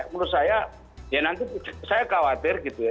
menurut saya ya nanti saya khawatir gitu ya